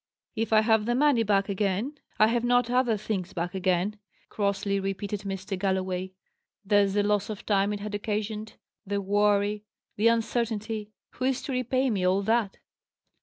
"If I have the money back again, I have not other things back again," crossly repeated Mr. Galloway. "There's the loss of time it has occasioned, the worry, the uncertainty: who is to repay me all that?"